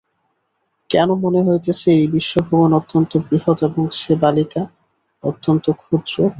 কেন মনে হইতেছে, এই বিশ্বভুবন অত্যন্ত বৃহৎ এবং সে বালিকা, অত্যন্ত ক্ষুদ্র?